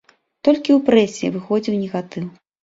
Толькі ў прэсе выходзіў негатыў.